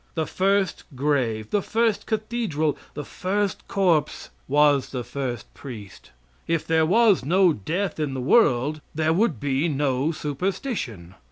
The first grave, the first cathedral; the first corpse was the first priest. If there was no death in the world there would be no superstition.